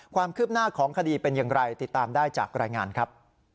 ความคืบหน้าของคดีเป็นอย่างไรติดตามได้จากรายงานครับ